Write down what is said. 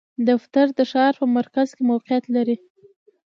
دفتر د ښار په مرکز کې موقعیت لری